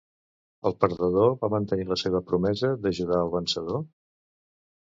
El perdedor va mantenir la seva promesa d'ajudar el vencedor?